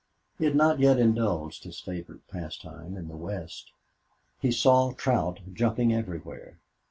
He had not yet indulged his favorite pastime in the West. He saw trout jumping everywhere.